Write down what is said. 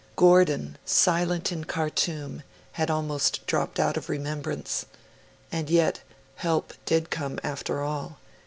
Gordon, silent in Khartoum, had almost dropped out of remembrance. And yet, help did come after all.